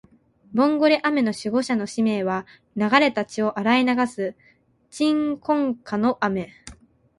ボンゴレ雨の守護者の使命は、流れた血を洗い流す鎮魂歌の雨